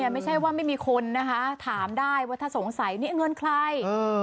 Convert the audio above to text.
ไม่ใช่ว่าไม่มีคนนะคะถามได้ว่าถ้าสงสัยนี่เงินใคร